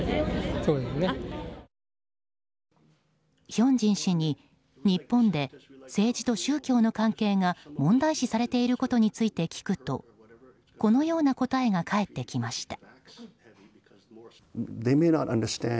ヒョンジン氏に日本で政治と宗教の関係が問題視されていることについて聞くとこのような答えが返ってきました。